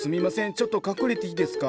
ちょっと隠れていいですか？